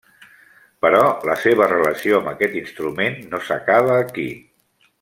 Però la seva relació amb aquest instrument no s’acaba aquí.